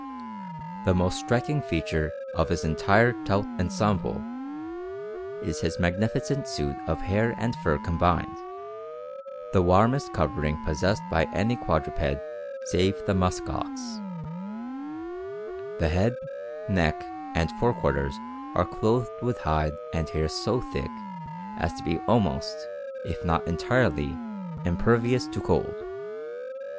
The most striking feature of his entire tout ensemble is his magnificent suit of hair and fur combined, the warmest covering possessed by any quadruped save the musk ox. The head, neck, and fore quarters are clothed with hide and hair so thick as to be almost, if not entirely, impervious to cold.